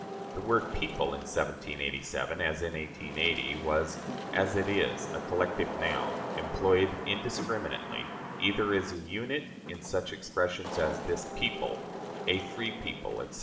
The word "people" in 1787, as in 1880, was, as it is, a collective noun, employed indiscriminately, either as a unit in such expressions as "this people," "a free people," etc.